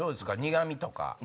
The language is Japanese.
苦味とか。